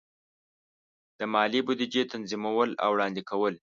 د مالی بودیجې تنظیمول او وړاندې کول.